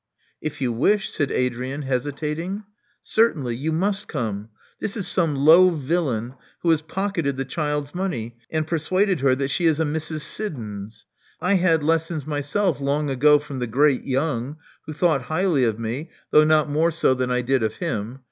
*'If you wish," said Adrian, hesitating. Certainly. You must come. This is some low villain who has pocketed the child's money, and persuaded her that she is a Mrs. Siddons. I had lessons myself long ago from the great Young, who thought highly of me, though not more so than I did of him.